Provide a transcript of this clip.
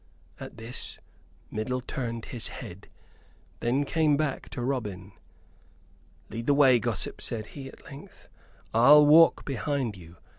At this, Middle turned his head, and then came back to Robin. "Lead the way, gossip," said he, at length. "I'll walk behind you.